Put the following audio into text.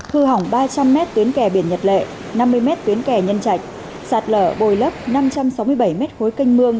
hư hỏng ba trăm linh m tuyến kè biển nhật lệ năm mươi m tuyến kè nhân trạch sạt lở bồi lấp năm trăm sáu mươi bảy m khối canh mương